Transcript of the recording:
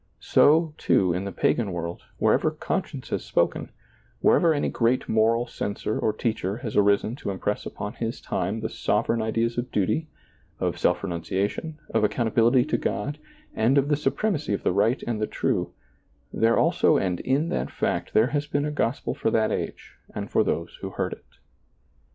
So, too, in the pagan world, wherever conscience has spoken, wherever any great moral censor or teacher has arisen to impress upon his time, the sovereign ideas of duty, of self renunciation, of accounta bility to God, and of the supremacy of the right and the true — there also and in that fact there has been a gospel for that age and for those who heard it.